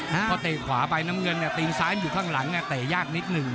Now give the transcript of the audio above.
พอเตะขวาไปน้ำเงินตีนซ้ายอยู่ข้างหลังเตะยากนิดหนึ่ง